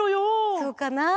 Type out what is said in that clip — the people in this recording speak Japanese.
そうかな？